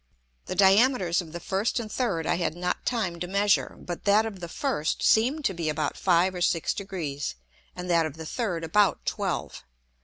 The Diameters of the first and third I had not time to measure, but that of the first seemed to be about five or six Degrees, and that of the third about twelve.